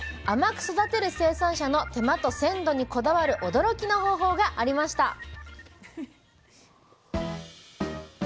甘く育てる生産者の手間と鮮度にこだわる驚きの方法がありました。